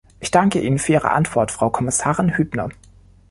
Ich danke Ihnen für Ihre Antwort, Frau Kommissarin Hübner.